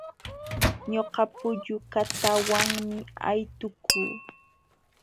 Ñuqa pullu kataawanmi aytukuu.